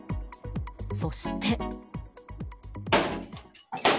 そして。